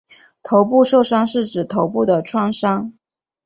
头部受伤是指头部的创伤。